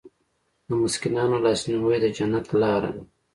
د مسکینانو لاسنیوی د جنت لاره ده.